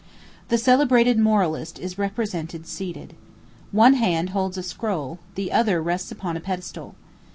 The celebrated moralist is represented seated. One hand holds a scroll, the other rests upon a pedestal.